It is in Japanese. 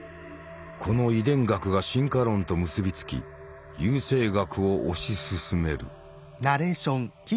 この遺伝学が進化論と結び付き優生学を推し進める。